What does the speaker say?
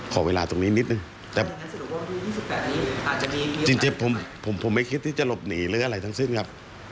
ขอเวลาตรงนี้นิดนึงแต่จริงผมไม่คิดที่จะหลบหนีหรืออะไรทั้งสิ้นครับ